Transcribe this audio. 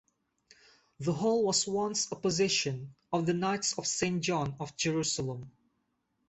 The Hall was once a possession of the Knights of Saint John of Jerusalem.